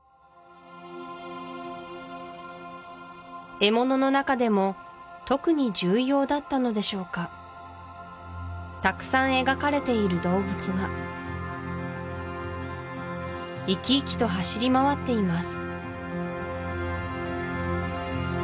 獲物の中でも特に重要だったのでしょうかたくさん描かれている動物が生き生きと走り回っています